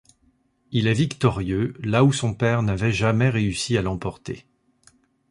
Il est victorieux là où son père n'avait jamais réussi à l'emporter.